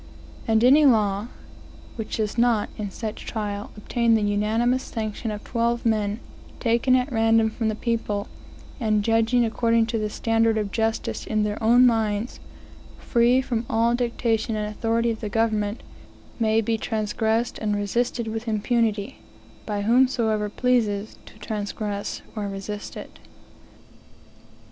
And any law, which does not, in such trial, obtain the unanimous sanction of twelve men, taken at random from the people, and judging according to the standard of justice in their own minds, free from all dictation and authority of the government, may be transgressed and resisted with impunity, by whomsoever pleases to transgress or resist it.